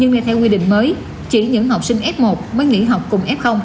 nhưng theo quy định mới chỉ những học sinh f một mới nghỉ học cùng f